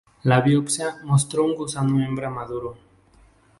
La biopsia mostró un gusano hembra maduro.